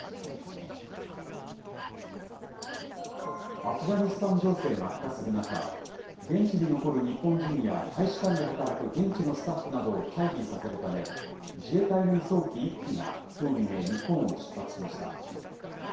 アフガニスタン情勢が悪化する中、現地に残る日本人や大使館で働く現地のスタッフなどを退避させるため、自衛隊の輸送機１機がきょう未明、日本を出発しました。